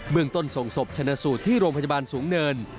เมืองต้นส่งศพชนะสูตรที่โรงพยาบาลสูงเนิน